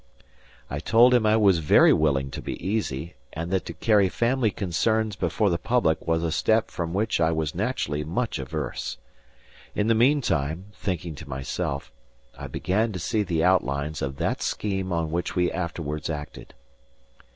I told him I was very willing to be easy, and that to carry family concerns before the public was a step from which I was naturally much averse. In the meantime (thinking to myself) I began to see the outlines of that scheme on which we afterwards acted.